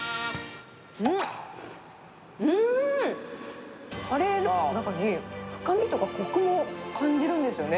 んー、カレーの中に深みとかこくを感じるんですよね。